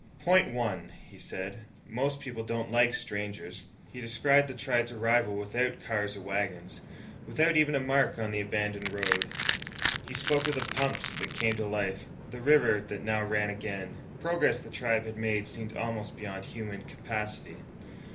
"Point one," he said, "most people don't like strangers." He described the tribe's arrival without cars or wagons, without even a mark on the abandoned road. He spoke of the pumps that came to life, the river that now ran again. The progress the tribe had made seemed almost beyond human capacity.